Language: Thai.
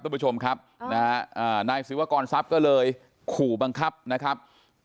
คุณผู้ชมครับนะฮะนายศิวากรทรัพย์ก็เลยขู่บังคับนะครับ